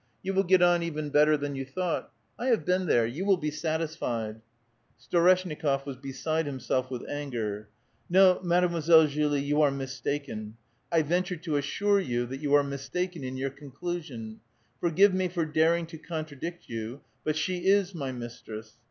You will get on even better than you thought. 1 have been there ; you will be satisfied." Storeshnikof was beside himself with anger. *' No, Mad emoiselle Julie, you are mistaken ; I venture to assure you that you are mistaken in your conclusion ; forgive me for daring to contradict you, but she is my mistress.